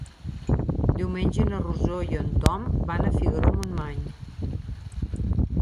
Diumenge na Rosó i en Tom van a Figaró-Montmany.